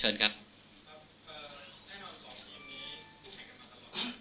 เชิญครับเอ่อแน่นอนสองทีมนี้คู่แข่งกันมาตลอด